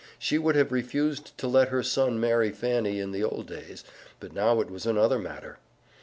She would have refused to let her son marry Fanny in the old days, but now it was another matter.